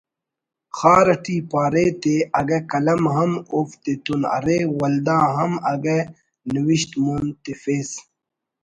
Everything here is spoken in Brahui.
خار اٹی پارے تے اگہ قلم ہم اوفتتون ارے ولدا ہم اگہ نوشت مون تفس